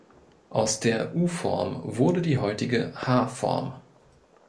Aus der U-Form wurde die heutige H-Form.